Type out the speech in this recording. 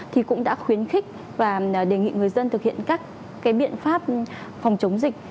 thì cũng đã khuyến khích và đề nghị người dân thực hiện các biện pháp phòng chống dịch